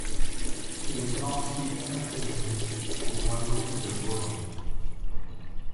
Il est ensuite intégré au royaume de Bohême.